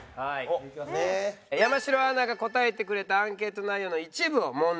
山城アナが答えてくれたアンケート内容の一部を問題にしました。